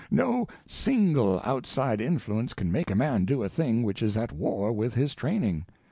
No _single _outside influence can make a man do a thing which is at war with his training.